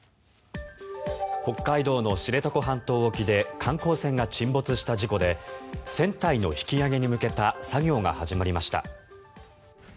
北海道の知床半島沖で観光船が沈没した事故で船体の引き揚げに向けた作業が始まりました。